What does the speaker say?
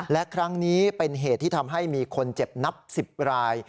และครั้งนี้เป็นเหตุที่ทำให้มีคนเจ็บนับ๑๐ราย